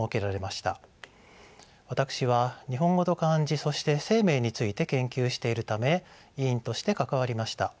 私は日本語と漢字そして姓名について研究しているため委員として関わりました。